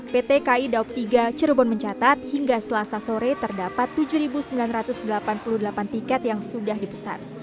pt ki daup tiga cirebon mencatat hingga selasa sore terdapat tujuh sembilan ratus delapan puluh delapan tiket yang sudah dipesan